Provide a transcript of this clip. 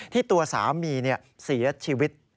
ที่ตัวสามีเนี่ยเสียชีวิต